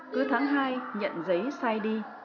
cứ tháng hai nhận giấy sai đi